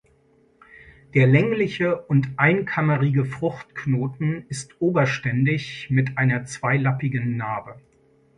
Der längliche und einkammerige Fruchtknoten ist oberständig mit einer zweilappigen Narbe.